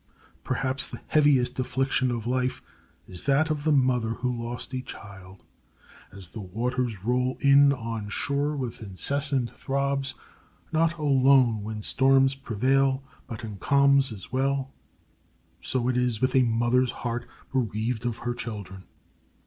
Perhaps the heaviest affliction of life is that of the mother who has lost a child. As the waters roll in on shore with incessant throbs—not alone when storms prevail, but in calms as well—so it is with a mother's heart, bereaved of her children.